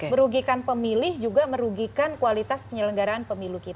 merugikan pemilih juga merugikan kualitas penyelenggaraan pemilu kita